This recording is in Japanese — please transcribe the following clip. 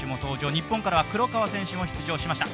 日本からは黒川選手も出場しました。